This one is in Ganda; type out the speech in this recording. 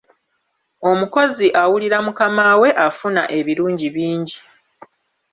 Omukozi awulira mukama we afuna ebirungi bingi.